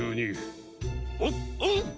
おっおう！